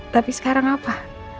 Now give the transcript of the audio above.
tapi sekarang apa